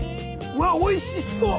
うわおいしそう！